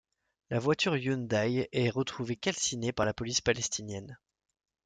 La voiture Hyundai est retrouvée calcinée par la police palestinienne.